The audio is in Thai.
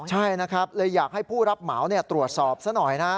ใช่นะครับเลยอยากให้ผู้รับเหมาตรวจสอบซะหน่อยนะ